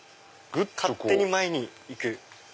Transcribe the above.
勝手に前に行く。